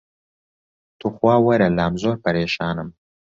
توخوا وەرە لام زۆر پەرێشانم